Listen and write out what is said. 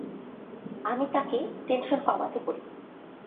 আমি তাঁকে টেনশন কমাতে বলি।